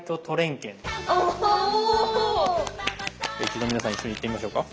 一度皆さん一緒に言ってみましょうか。